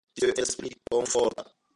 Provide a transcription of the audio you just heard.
Tio estas pli komforta.